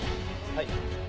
はい。